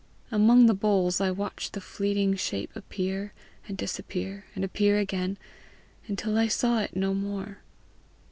Among the holes I watched the fleeting shape appear and disappear and appear again, until I saw it no more.